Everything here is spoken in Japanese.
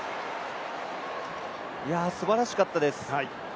すばらしかったです。